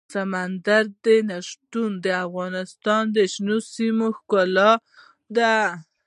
سمندر نه شتون د افغانستان د شنو سیمو ښکلا ده.